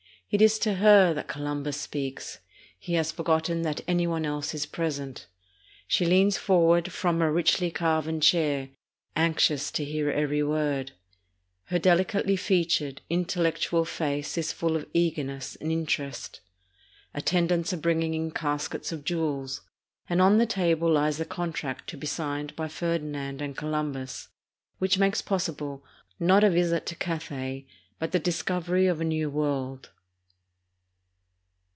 It is to her that Columbus speaks; he has forgot ten that any one else is present. She leans forward from her richly carven chair, anxious to hear every word. Her deli cately featured, intellectual face is full of eagerness and inter est. Attendants are bringing in caskets of jewels, and on the table lies the contract to be signed by Ferdinand and Colum bus which makes possible, not a visit to Cathay, but the discovery of a New World.